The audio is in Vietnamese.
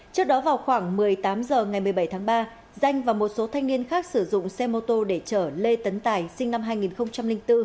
trước đó vào khoảng một mươi tám h ngày một mươi bảy tháng ba danh và một số thanh niên khác sử dụng xe mô tô để chở lê tấn tài sinh năm hai nghìn bốn